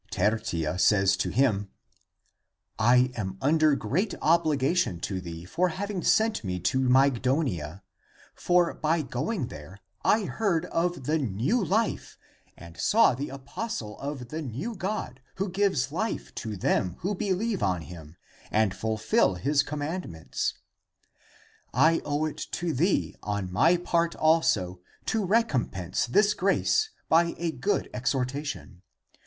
Tertia says to him, " I am under great obligation to thee for having sent me to Myg donia. For by going there I heard of the new life and saw the apostle of the new God, who gives life to them who believe on him and fulfill his com mandments. I owe it to thee on my part also to recompense this grace by a good exhortation.